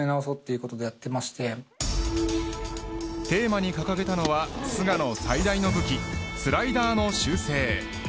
テーマに掲げたのは菅野最大の武器スライダーの修正。